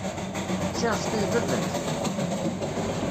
Si Rezqi d baba-k?